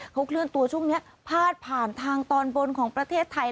เขาเคลื่อนตัวช่วงนี้พาดผ่านทางตอนบนของประเทศไทย